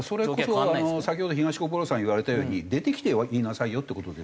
それこそ先ほど東国原さんが言われたように出てきて言いなさいよって事です。